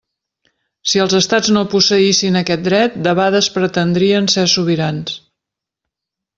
Si els estats no posseïssin aquest dret, debades pretendrien ser sobirans.